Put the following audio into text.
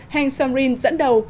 heng samrin dẫn đầu